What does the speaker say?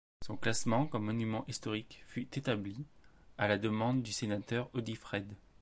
Son classement comme monument historique fut établi, à la demande du sénateur Audiffred.